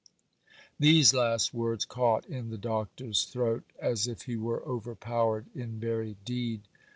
These last words caught in the Doctor's throat, as if he were overpowered in very deed.